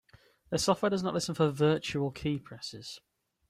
Their software does not listen for virtual keypresses.